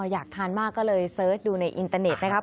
อยากทานมากก็เลยเสิร์ชดูในอินเตอร์เน็ตนะครับ